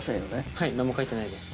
はい何も書いてないです